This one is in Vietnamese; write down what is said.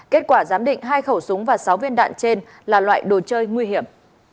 kết quả giám định hai khẩu súng và sáu viên đạn trên là loại đồ chơi nguy hiểm